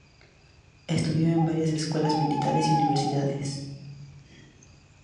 Estudió en varias escuelas militares y universidades.